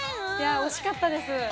惜しかったです。